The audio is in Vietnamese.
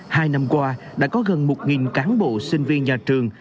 hai năm qua đã có gần một cán bộ sinh viên nhà trường